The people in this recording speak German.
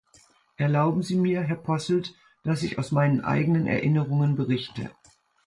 Erlauben Sie mir, Herr Posselt, dass ich aus meinen eigenen Erinnerungen berichte.